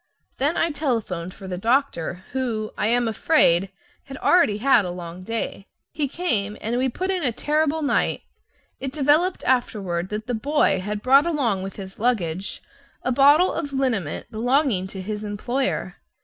Then I telephoned for the doctor, who, I am afraid, had already had a long day. He came, and we put in a pretty terrible night. It developed afterward that the boy had brought along with his luggage a bottle of liniment belonging to his employer.